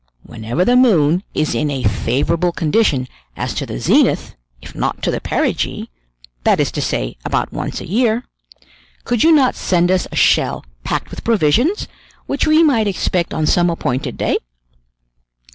whenever the moon is in a favorable condition as to the zenith, if not to the perigee, that is to say about once a year, could you not send us a shell packed with provisions, which we might expect on some appointed day?"